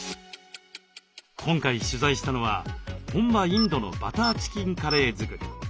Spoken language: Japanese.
今回取材したのは本場インドのバターチキンカレー作り。